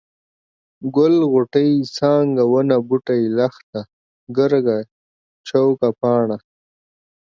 ګل، غوټۍ، څانګه ، ونه ، بوټی، لښته ، ګرګه ، چوکه ، پاڼه،